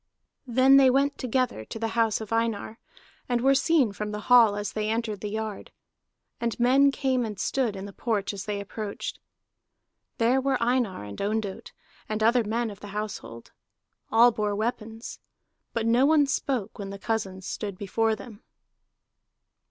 Then they went together to the house of Einar, and were seen from the hall as they entered the yard, and men came and stood in the porch as they approached. There were Einar and Ondott, and other men of the household. All bore weapons. But no one spoke when the cousins stood before them.